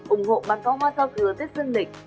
ủng hộ bán phó hoa sau thừa tết dương lịch